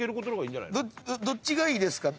どっちがいいですか？